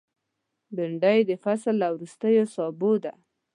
بېنډۍ د فصل له وروستیو سابو ده